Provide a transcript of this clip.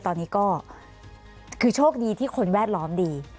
ตอนนี้ก็คือโชคดีที่คนแวดล้อมดี